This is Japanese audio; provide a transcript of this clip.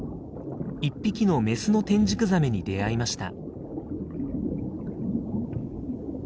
１匹のメスのテンジクザメに出会いました。